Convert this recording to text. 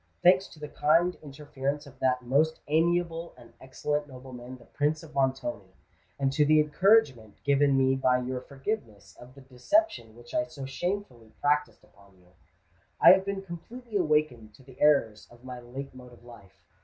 Thanks to the kind interference of that most amiable and excellent nobleman the Prince of Montoni, and to the encouragement given me by your forgiveness of the deception which I so shamefully practised upon you, I have been completely awakened to the errors of my late mode of life.